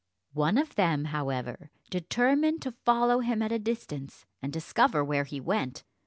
One of them, however, determined to follow him at a distance, and discover where he went.